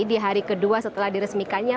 di hari kedua setelah diresmikannya